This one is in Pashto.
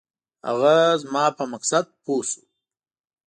هغه زما په مقصد پوی شو.